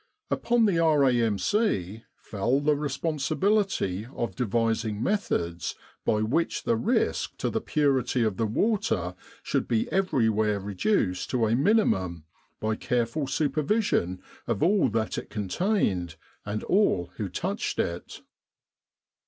Upon the R.A.M.C. fell the responsi bility of devising methods by which the risk to the purity of the water should be everywhere reduced to a minimum by careful supervision of all that it contained, and all who touched it.